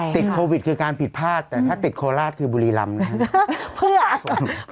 ติดโควิดคือการผิดพลาดแต่ถ้าติดโคราชคือบุรีรำนะครับ